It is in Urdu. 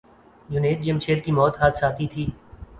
جنید جمشید کی موت حادثاتی تھی۔